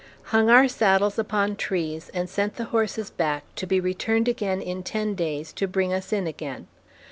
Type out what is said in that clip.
Hung our saddles upon trees, and sent the horses back, to be returned again in ten days to bring us in again.